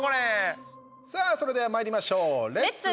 それではまいりましょうレッツ！